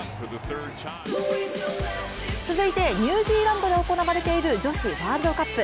続いてニュージーランドで行われている女子ワールドカップ。